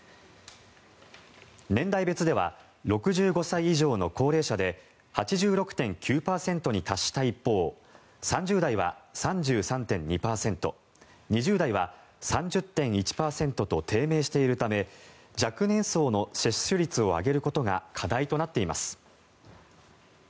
年代別では６５歳以上の高齢者で８６．９％に達した一方３０代は３３．２％２０代は３０．１％と低迷しているため若年層の接種率を上げることが課題となっています。